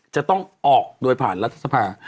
จะต้องออกโดยผ่านรัฐสภา